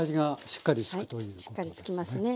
しっかりつきますね。